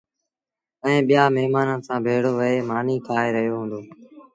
ائيٚݩٚ ٻيآݩ مهمآݩآنٚ سآݩٚ ڀيڙو ويه مآݩيٚ کآئي رهيو هُݩدو۔